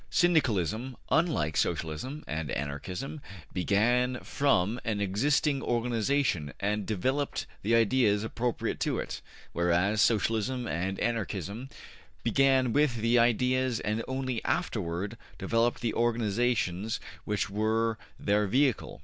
Syndicalism, unlike Socialism and Anarchism, began from an existing organization and developed the ideas appropriate to it, whereas Socialism and Anarchism began with the ideas and only afterward developed the organizations which were their vehicle.